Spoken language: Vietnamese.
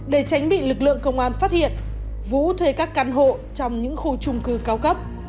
để tránh bị lực lượng công an phát hiện vũ thuê các căn hộ trong những khu trung cư cao cấp